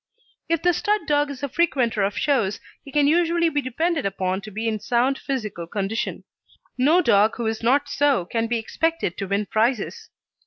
If the stud dog is a frequenter of shows he can usually be depended upon to be in sound physical condition. No dog who is not so can be expected to win prizes.